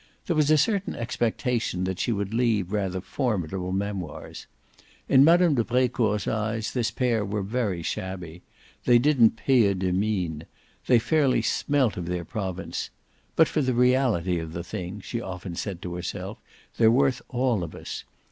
There was a certain expectation that she would leave rather formidable memoirs. In Mme. de Brecourt's eyes this pair were very shabby, they didn't payer de mine they fairly smelt of their province; "but for the reality of the thing," she often said to herself, "they're worth all of us.